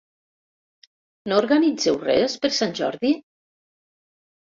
No organitzeu res, per Sant Jordi?